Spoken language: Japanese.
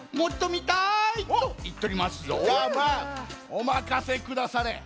おまかせくだされ。